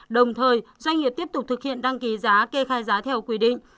đồng thời doanh nghiệp tiếp tục thực hiện đăng ký giá kê khai giá theo quy định